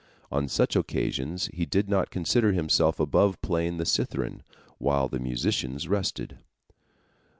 On such occasions he did not consider himself above playing the cithern while the musicians rested.